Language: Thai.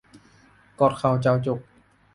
กอดเข่าเจ่าจุก